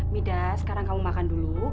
midas sekarang kamu makan dulu